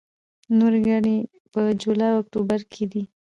نورې ګڼې په جولای او اکتوبر کې دي.